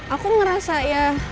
aku ngerasa ya